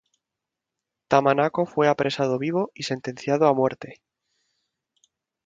Tamanaco fue apresado vivo y sentenciado a muerte.